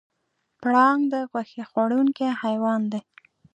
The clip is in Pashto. پړانګ د غوښې خوړونکی حیوان دی.